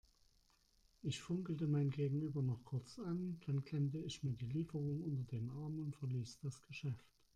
Ich funkelte mein Gegenüber noch kurz an, dann klemmte ich mir die Lieferung unter den Arm und verließ das Geschäft.